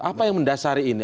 apa yang mendasari ini